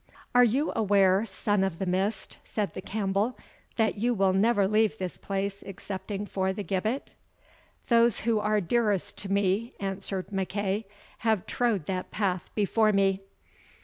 "Are you aware, Son of the Mist," said the Campbell, "that you will never leave this place excepting for the gibbet?" "Those who are dearest to me," answered MacEagh, "have trode that path before me."